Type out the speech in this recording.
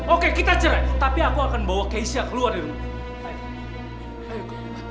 oke kita cerai tapi aku akan bawa keisha keluar dari rumah ini